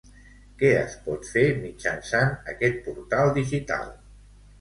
Què es pot fer mitjançant aquest portal digital?